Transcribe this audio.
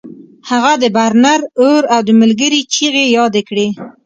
هغه د برنر اور او د ملګري چیغې یادې کړې